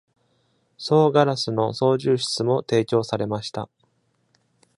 総ガラスの操縦室も提供されました。